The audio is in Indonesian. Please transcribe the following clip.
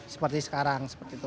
seperti sekarang seperti itu